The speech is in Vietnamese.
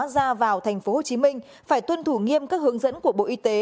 ra vào tp hcm phải tuân thủ nghiêm các hướng dẫn của bộ y tế